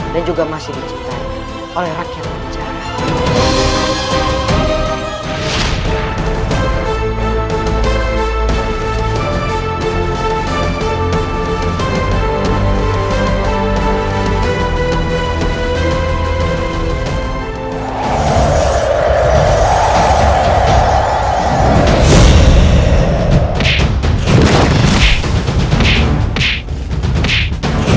dan juga masih diciptakan oleh rakyat raja